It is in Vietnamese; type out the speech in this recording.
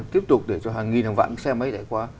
tiếp tục để cho hàng nghìn hàng vạn xe máy chạy qua